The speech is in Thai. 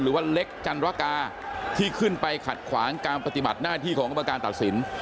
หรือว่าเล็กจันรกาที่ขึ้นไปขัดขวางการปฏิบัติหน้าที่ของกรรมการตัดสิน